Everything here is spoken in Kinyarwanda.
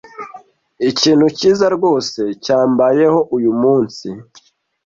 Ikintu cyiza rwose cyambayeho uyu munsi.